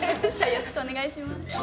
よろしくお願いします